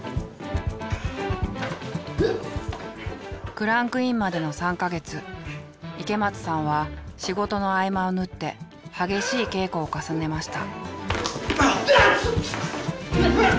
クランクインまでの３か月池松さんは仕事の合間を縫って激しい稽古を重ねました。